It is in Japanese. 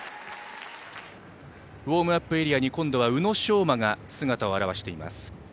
ウォームアップエリアに今度は宇野昌磨が姿を現しています。